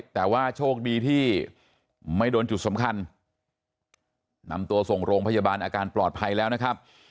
แต่ว่าโชคดีที่ไม่โดนจุดสำคัญนำตัวส่งโรงพยาบาลอาการปลอดภัยแล้วนะครับ